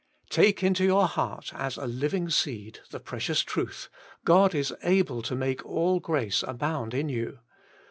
3. Take into your heart, as a living seed, the precious truth : God is able to make all grace abound in you.